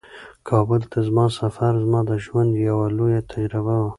کابل ته زما سفر زما د ژوند یوه لویه تجربه وه.